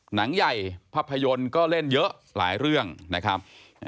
หนังใหญ่ภาพยนตร์ก็เล่นเยอะหลายเรื่องนะครับ